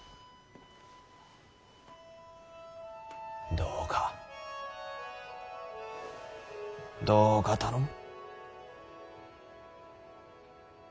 どうかどうか頼む。